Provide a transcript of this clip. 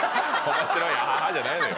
「面白いアハハ」じゃないのよ。